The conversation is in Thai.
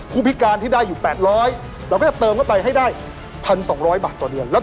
ผู้พิการที่ได้อยู่๘๐๐เราก็จะเติมเข้าไปให้ได้๑๒๐๐บาทต่อเดือนแล้ว